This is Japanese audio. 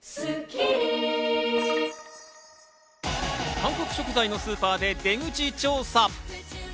韓国食材のスーパーで出口調査。